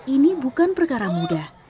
ini bukan perkara mudah